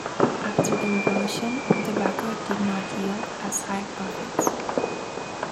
After the Revolution, tobacco did not yield as high profits.